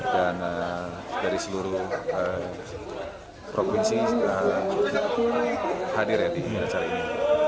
dan dari seluruh provinsi sudah hadir ya di lintasan ini